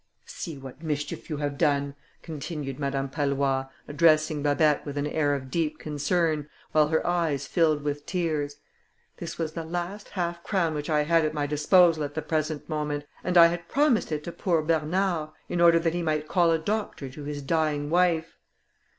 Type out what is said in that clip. "See what mischief you have done," continued Madame Pallois, addressing Babet with an air of deep concern, while her eyes filled with tears. "This was the last half crown which I had at my disposal at the present moment, and I had promised it to poor Bernard, in order that he might call a doctor to his dying wife."